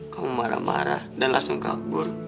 kamu marah marah dan langsung kabur